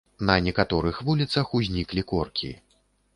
На некаторых вуліцах узніклі коркі.